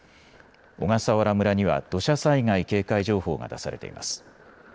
小笠原村には土砂災害警戒情報が出されています。